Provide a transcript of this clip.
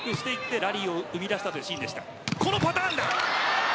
このパターンだ。